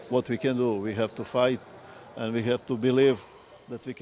kita harus berjuang dan kita harus percaya bahwa kita bisa